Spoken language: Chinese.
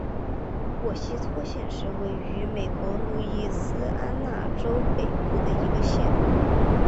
沃希托县是位于美国路易斯安那州北部的一个县。